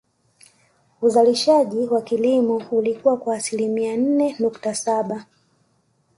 Uzalishaji wa kilimo ulikua kwa asilimia nne nukta Saba